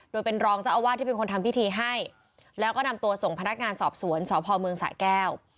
โดยเป็นรองเจ้าอาวาสที่เป็นคนทำพิธีให้แล้วก็นำตัวส่งพนักงานสอบสวนสพเมืองสะแก้ว